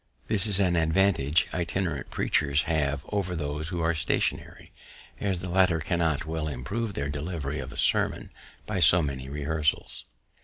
This is an advantage itinerant preachers have over those who are stationary, as the latter cannot well improve their delivery of a sermon by so many rehearsals.